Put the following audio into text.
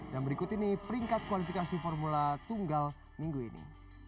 dan berikut ini peringkat kualifikasi formula tunggal minggu ini